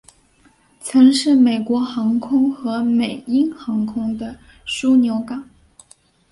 曾是美国航空和美鹰航空的枢杻港。